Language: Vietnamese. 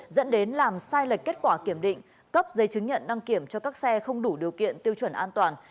dẫn đến làm sai lệch kết quả kiểm định cấp giấy chứng nhận đăng kiểm cho các xe không đủ điều kiện tiêu chuẩn an toàn